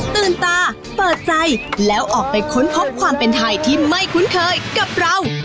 ตื่นตาเปิดใจแล้วออกไปค้นพบความเป็นไทยที่ไม่คุ้นเคยกับเรา